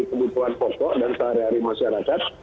kebutuhan pokok dan sehari hari masyarakat